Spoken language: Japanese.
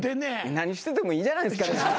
何しててもいいじゃないですか。